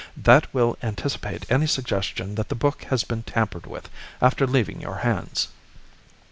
That will anticipate any suggestion that the book has been tampered with after leaving your hands."